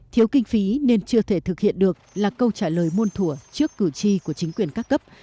thiếu kinh phí nên chưa thể thực hiện được là câu trả lời môn thủa trước cử tri của chính quyền các cấp